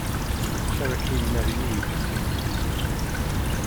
The Cherokee never used teepees.